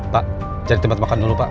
pak cari tempat makan dulu pak